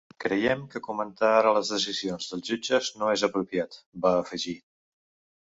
Creiem que comentar ara les decisions dels jutges no és apropiat, va afegir.